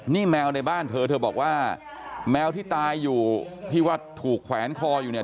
นี่แมวในบ้านเธอเธอบอกว่าแมวที่ตายอยู่ที่ว่าถูกแขวนคออยู่เนี่ย